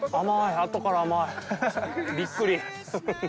あとから甘いびっくり。